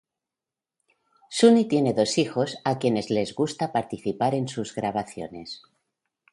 Suni tiene dos hijos a quienes le gusta participar en sus grabaciones.